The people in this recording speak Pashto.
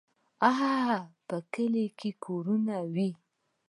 هاهاها په کلي کې کورونه وي.